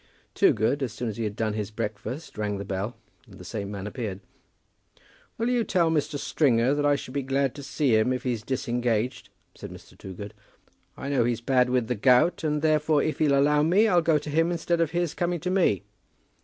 Toogood, as soon as he had done his breakfast, rang the bell, and the same man appeared. "Will you tell Mr. Stringer that I should be glad to see him if he's disengaged," said Mr. Toogood. "I know he's bad with the gout, and therefore if he'll allow me, I'll go to him instead of his coming to me."